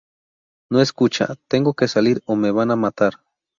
no. escucha... tengo que salir o me van a matar.